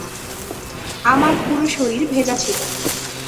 আমার পুরো শরীর ভেজা ছিল।